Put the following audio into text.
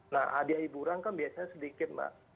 nah hadiah hiburan kan biasanya sedikit mbak